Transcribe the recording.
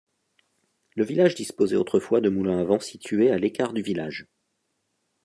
Le village disposait autrefois de moulins à vent situés à l'écart du village.